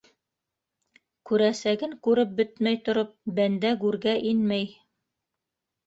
Күрәсәген күреп бөтмәй тороп, бәндә гүргә инмәй.